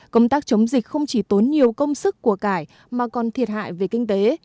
công tác chống dịch không chỉ tốn nhiều công sức của cải mà còn thiệt hại về kinh tế